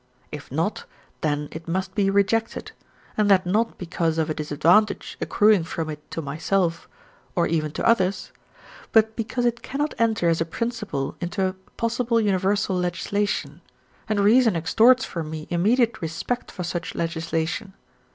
If not, then it must be rejected, and that not because of a disadvantage accruing from it to myself or even to others, but because it cannot enter as a principle into a possible universal legislation, and reason extorts from me immediate respect for such legislation.